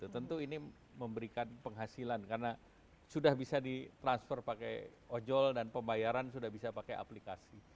tentu ini memberikan penghasilan karena sudah bisa ditransfer pakai ojol dan pembayaran sudah bisa pakai aplikasi